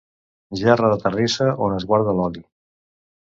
Gerra de terrissa on es guarda l'oli.